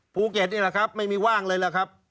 ภูเก็ตนี่แหละครับไม่มีว่างเลยล่ะครับ